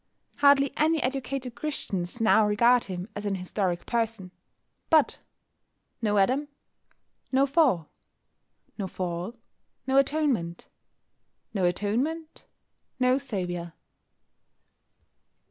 Hardly any educated Christians now regard him as an historic person. But no Adam, no Fall; no Fall, no Atonement; no Atonement, no Saviour.